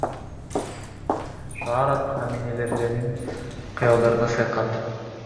Шаар аткаминерлеринин кыялдарына саякат